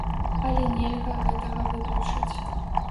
Але нельга гэтага выключыць.